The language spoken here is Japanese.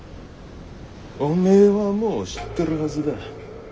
おめえはもう知ってるはずだ。